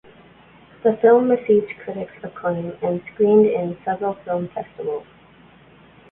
The film received critics acclaim and screened in several film festivals.